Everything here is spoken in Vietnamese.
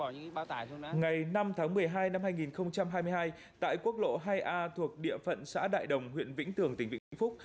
ngày năm tháng một mươi hai năm hai nghìn hai mươi hai tại quốc lộ hai a thuộc địa phận xã đại đồng huyện vĩnh tường tỉnh vĩnh phúc